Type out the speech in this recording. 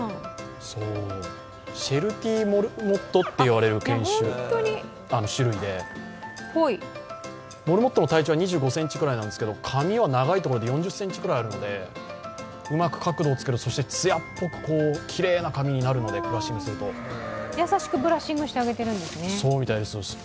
シェルティーモルモットといわれる種類でモルモットの体長は２５ｃｍくらいなんですけど、髪は長いところで４０ｃｍぐらいあるので、うまく角度を作る、そしてつやっぽくきれいな髪になるまで優しくブラッシングしてあげているんですね。